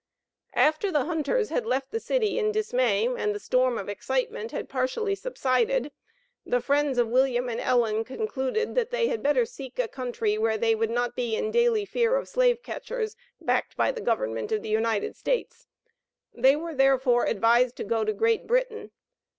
After the hunters had left the city in dismay, and the storm of excitement had partially subsided, the friends of William and Ellen concluded that they had better seek a country where they would not be in daily fear of slave catchers, backed by the Government of the United States. They were, therefore, advised to go to Great Britain.